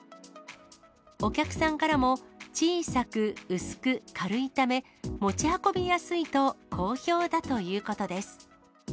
お客さんからも、小さく、薄く、軽いため、持ち運びやすいと好評だということです。